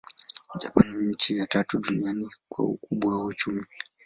Japani ni nchi ya tatu duniani kwa ukubwa wa uchumi.